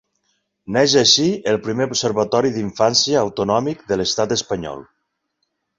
Neix així el primer Observatori d'infància autonòmic de l'estat espanyol.